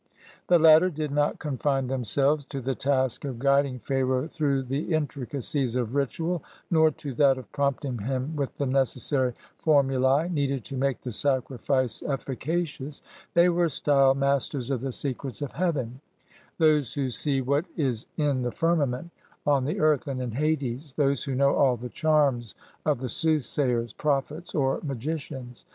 The latter did not confine them selves to the task of guiding Pharaoh through the intri cacies of ritual, nor to that of prompting him with the necessary formulae needed to make the sacrifice efl5 cacious; they were styled ''Masters of the Secrets of Heaven," those who see what is in the firmament, on the earth, and in Hades, those who know all the charms of the soothsayers, prophets, or magicians.